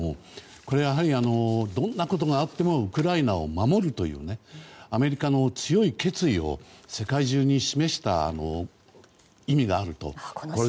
これはやはり、どんなことがあってもウクライナを守るというアメリカの強い決意を世界中に示した意義があると。